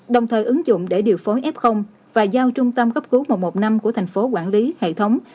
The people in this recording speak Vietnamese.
đồng thời ứng dụng để điều phối f và giao trung tâm cấp cứu một trăm một mươi năm của thành phố quản lý hệ thống